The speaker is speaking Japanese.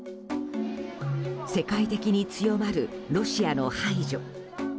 世界的に強まるロシアの排除。